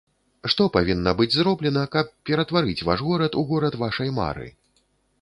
Што павінна быць зроблена, каб ператварыць ваш горад у горад вашай мары?